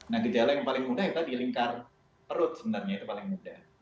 nah gejala yang paling mudah itu di lingkar perut sebenarnya itu paling mudah